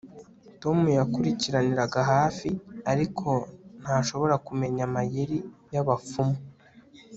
tom yakurikiraniraga hafi, ariko ntashobora kumenya amayeri y'abapfumu